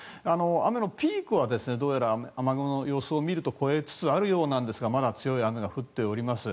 雨のピークはどうやら雨雲の様子を見ると越えつつあるようなんですがまだ強い雨が降っております。